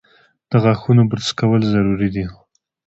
د غاښونو برس کول ضروري دي۔